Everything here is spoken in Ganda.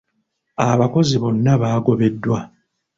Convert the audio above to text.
Abakozi bonna baagobeddwa.